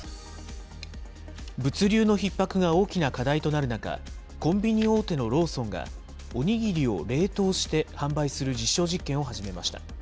物流のひっ迫が大きな課題となる中、コンビニ大手のローソンが、おにぎりを冷凍して販売する実証実験を始めました。